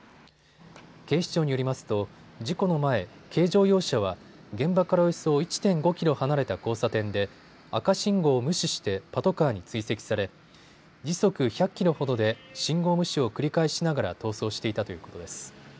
警視庁によりますと事故の前、軽乗用車は現場からおよそ１．５キロ離れた交差点で赤信号を無視してパトカーに追跡され、時速１００キロほどで信号無視を繰り返しながら逃走していたということです。